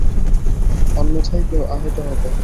অন্যথায় কেউ আহত হবে।